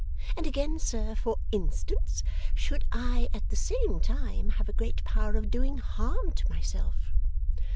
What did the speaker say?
And again, sir, for instance; should I, at the same time, have a great power of doing harm to myself?